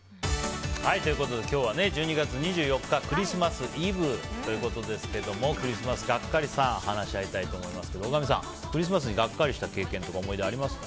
今日は１２月２４日クリスマスイブということですけどもクリスマスガッカリさん話し合いと思いますけど大神さん、クリスマスにガッカリした思い出ありますか。